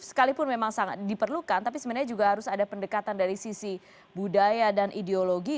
sekalipun memang sangat diperlukan tapi sebenarnya juga harus ada pendekatan dari sisi budaya dan ideologi